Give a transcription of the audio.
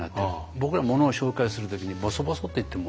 僕らものを紹介するときにボソボソって言っても。